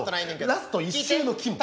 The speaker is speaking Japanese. ラスト１周のきむ。